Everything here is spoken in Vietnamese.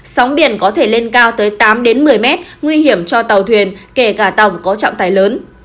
sóng biển có thể lên cao tới tám một mươi mét nguy hiểm cho tàu thuyền kể cả tàu có trọng tài lớn